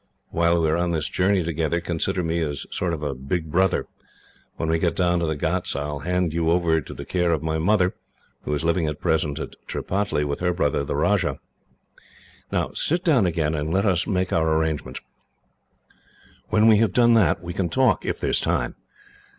While we are on this journey together, consider me as a sort of big brother. When we get down the ghauts I shall hand you over to the care of my mother, who is living at present at Tripataly with her brother, the Rajah. "Now sit down again, and let us make our arrangements. When we have done that we can talk, if there is time.